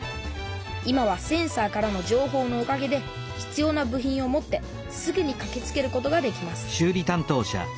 今はセンサーからのじょうほうのおかげで必要な部品を持ってすぐにかけつけることができます